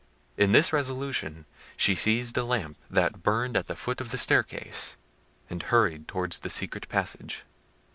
In this resolution, she seized a lamp that burned at the foot of the staircase, and hurried towards the secret passage.